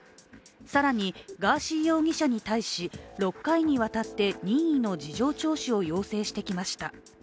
更に、ガーシー容疑者に対し６回にわたって任意の事情聴取を要請してきました。